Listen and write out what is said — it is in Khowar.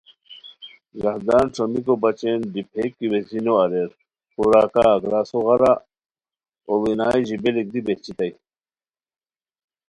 زاہدن ݯھومیکو بچین ڈیپئیک کی ویزی نو اریر خوراکا گراسو غارہ اوڑینائی ژیبلیک دی بہچیتائے